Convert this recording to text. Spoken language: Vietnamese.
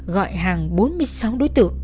gọi hàng bốn mươi sáu đối tượng